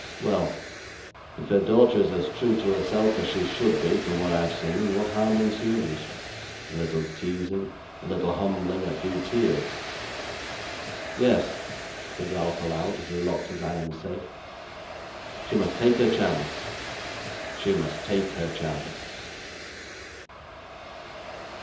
Well. If her daughter is as true to herself as she should be from what I have seen, what harm ensues? A little teasing, a little humbling, a few tears. Yes,' said Ralph, aloud, as he locked his iron safe. 'She must take her chance. She must take her chance.